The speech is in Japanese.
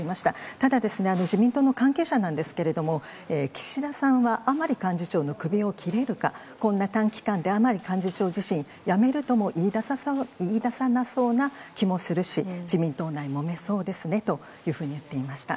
ただですね、自民党の関係者なんですけれども、岸田さんは、甘利幹事長の首を切れるか、こんな短期間で甘利幹事長自身、辞めるとも言いださなそうな気もするし、自民党内、もめそうです